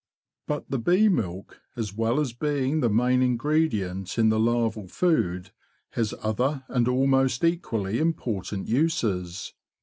But the bee milk as well as being the main ingredient in the larval food, has other and almost equally important uses.